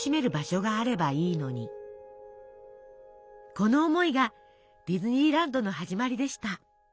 この思いがディズニーランドの始まりでした。